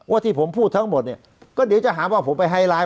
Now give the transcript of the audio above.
ที่ผมพูดทั้งหมดเนี่ยก็เดี๋ยวจะหาว่าผมไปไฮไลท์